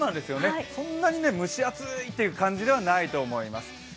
そんなに蒸し暑いという感じではないと思います。